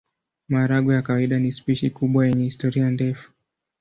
Maharagwe ya kawaida ni spishi kubwa yenye historia ndefu.